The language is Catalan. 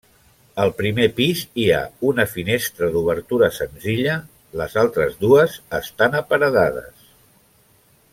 Al primer pis hi ha una finestra d'obertura senzilla, les altres dues estan aparedades.